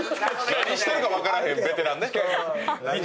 何してるか分からないベテランね。